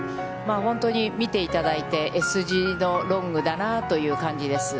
本当に見ていただいてもＳ字のロングだなという感じです。